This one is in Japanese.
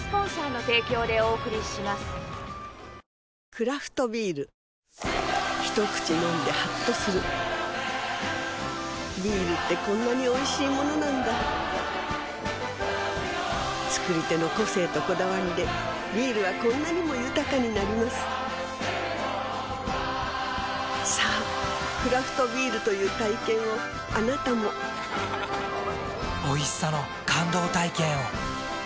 クラフトビール一口飲んでハッとするビールってこんなにおいしいものなんだ造り手の個性とこだわりでビールはこんなにも豊かになりますさぁクラフトビールという体験をあなたもおいしさの感動体験を。